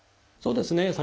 そうですね。